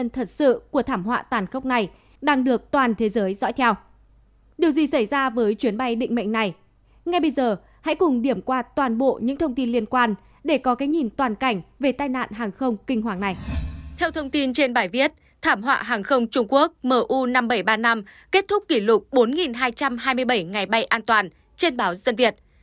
theo thông tin trên bài viết thảm họa hàng không trung quốc mu năm nghìn bảy trăm ba mươi năm kết thúc kỷ lục bốn hai trăm hai mươi bảy ngày bay an toàn trên báo dân việt